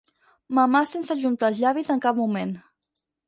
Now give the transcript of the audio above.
Mamar sense ajuntar els llavis en cap moment.